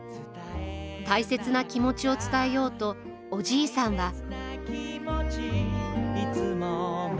大切な気持ちを伝えようとおじいさんは。